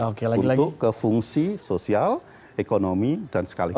untuk ke fungsi sosial ekonomi dan sekaligus